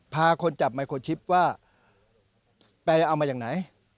พาคนจับไมโครชิปว่าแปลเอามาจากไหน